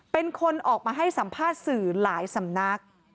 เป็นคนออกมาให้สัมภาษณ์สื่อหลายสำนัก